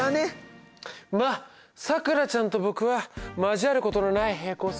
まあさくらちゃんと僕は交わることのない平行線。